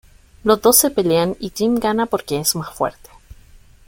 Los dos se pelean y Jim gana porque es más fuerte.